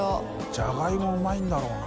ジャガイモうまいんだろうな。